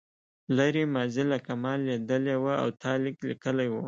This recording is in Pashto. لرې ماضي لکه ما لیدلې وه او تا لیک لیکلی و.